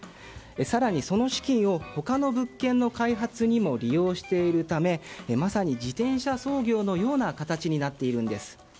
更にその資金を他の物件の開発にも利用しているためまさに自転車操業のような形になっているんです。